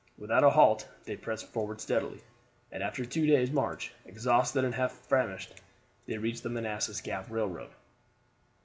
Without a halt they pressed forward steadily, and after two days' march, exhausted and half famished, they reached the Manassas Gap Railroad.